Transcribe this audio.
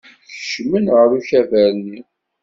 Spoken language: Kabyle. Kecmen ɣer ukabar-nni.